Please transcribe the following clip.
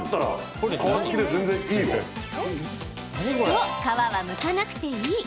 そう、皮はむかなくていい。